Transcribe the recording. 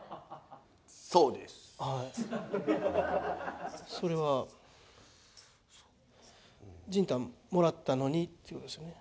そうですはいそれは仁丹もらったのにっていうことですよね